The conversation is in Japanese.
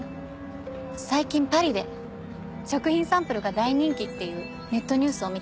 最近パリで食品サンプルが大人気っていうネットニュースを見てから急に焦りだして。